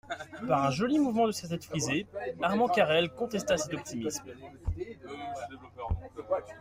Par un joli mouvement de sa tête frisée, Armand Carrel contesta cet optimisme.